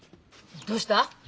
どうした？